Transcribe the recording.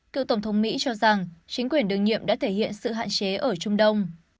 cựu tổng thống mỹ cho rằng chính quyền đương nhiệm đã thể hiện sự hạn chế ở trung đông